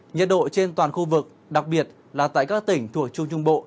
nhiệt độ trên toàn khu vực đặc biệt là tại các tỉnh thuộc trung trung bộ